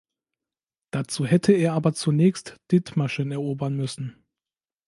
Dazu hätte er aber zunächst Dithmarschen erobern müssen.